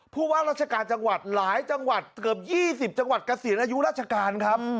ผู้ว่าราชการจังหวัดหลายจังหวัดเกือบ๒๐จังหวัดเกษียณอายุราชการครับ